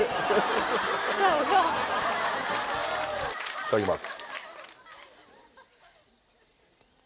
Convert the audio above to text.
いただきます